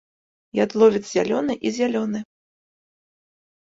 Ядловец зялёны і зялёны.